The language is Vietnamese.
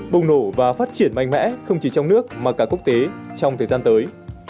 bùng nổ và phát triển mạnh mẽ không chỉ trong nước mà cả quốc tế trong thời gian tới